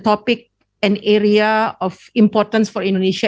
topik dan area yang penting untuk indonesia